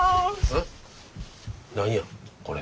何やこれ？